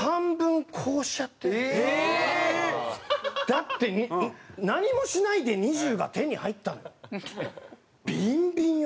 だって何もしないで２０が手に入ったのよ。